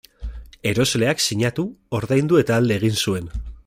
Erosleak sinatu, ordaindu eta alde egin zuen.